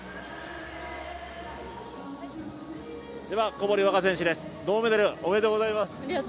小堀倭加選手です、銅メダル、おめでとうございます。